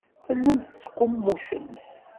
Tellamt tettqummucemt.